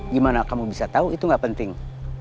gimana kamu bisa tahu itu gak penting